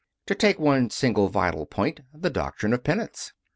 To take one single vital point the doctrine of Penance.